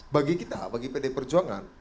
bagi kita bagi pd perjuangan